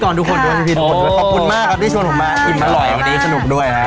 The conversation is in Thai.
ขอบคุณมากครับที่ชวนผมมาอิ่มอร่อยอย่างนี้สนุกด้วยครับ